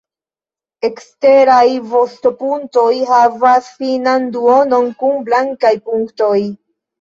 Eksteraj vostoplumoj havas finan duonon kun blankaj punktoj.